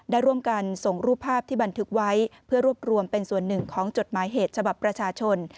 ได้ร่วมกันส่งรูปภาพที่บันทึกไว้เพื่อรวบรวมเป็นส่วนหนึ่งของจดหมายเหตุฉบับประชาชน